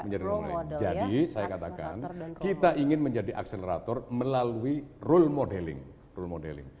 jadi saya katakan kita ingin menjadi akselerator melalui role modeling